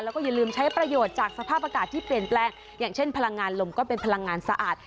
แล้วก็อย่าลืมใช้ประโยชน์จากสภาพอากาศที่เปลี่ยนแปลงอย่างเช่นพลังงานลมก็เป็นพลังงานสะอาด